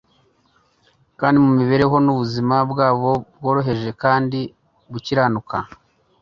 kandi mu mibereho n'ubuzima bwabo bworoheje kandi bukiranuka,